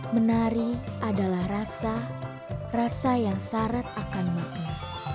menari adalah rasa rasa yang syarat akan makna